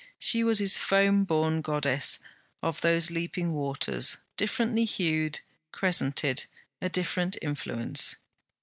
She was his foam born Goddess of those leaping waters; differently hued, crescented, a different influence.